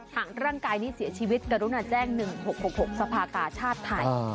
หากร่างกายนี้เสียชีวิตกรุณาแจ้ง๑๖๖สภากาชาติไทย